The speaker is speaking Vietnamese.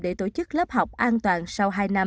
để tổ chức lớp học an toàn sau hai năm